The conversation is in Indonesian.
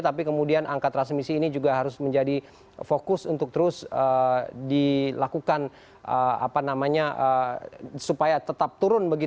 tapi kemudian angka transmisi ini juga harus menjadi fokus untuk terus dilakukan supaya tetap turun